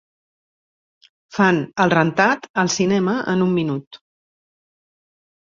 Fan "El rentat" al cinema en un minut